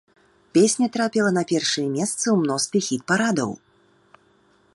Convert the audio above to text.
Песня трапіла на першыя месцы ў мностве хіт-парадаў.